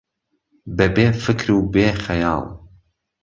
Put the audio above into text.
به بێ فکر و بێ خهیاڵ